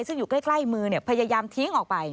ซึ่งอยู่ใกล้มือพยายามทิ้งออกไป